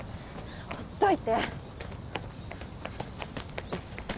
ほっといて！